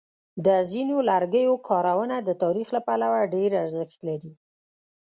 د ځینو لرګیو کارونه د تاریخ له پلوه ډېر ارزښت لري.